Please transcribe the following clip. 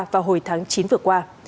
và hồi tháng chín vừa qua